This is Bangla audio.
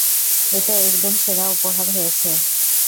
এটা একদম সেরা উপহার হয়েছে।